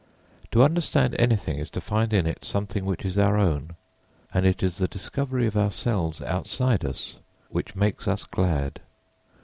To understand anything is to find in it something which is our own, and it is the discovery of ourselves outside us which makes us glad.